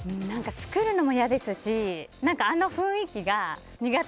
作るのも嫌ですしあの雰囲気が苦手。